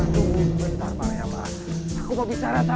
tunggu sebentar mariama aku mau bicara sama kamu